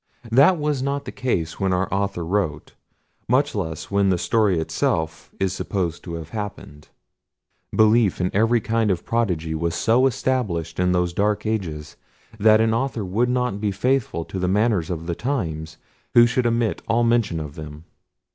That was not the case when our author wrote; much less when the story itself is supposed to have happened. Belief in every kind of prodigy was so established in those dark ages, that an author would not be faithful to the manners of the times, who should omit all mention of them.